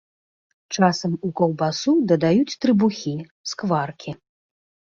Часам у каўбасу дадаюць трыбухі, скваркі.